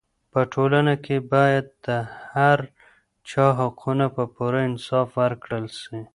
په ټولنه کې باید د هر چا حقونه په پوره انصاف ورکړل سي.